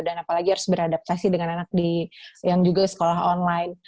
dan apalagi harus beradaptasi dengan anak yang juga sekolah online